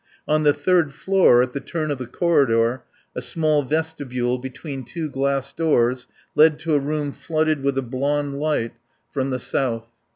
On the third floor, at the turn of the corridor, a small vestibule between two glass doors led to a room flooded with a blond light from the south.